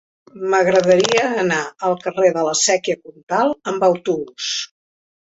M'agradaria anar al carrer de la Sèquia Comtal amb autobús.